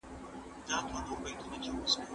د شهوت پرستي واکمن ړوندوي.